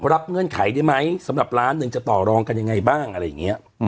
รับเงื่อนไขเลยนะไหมสำหรับร้านหนึ่งจะต่อรองกันยังไงบ้าง